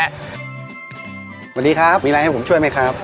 สวัสดีครับมีอะไรให้ผมช่วยไหมครับ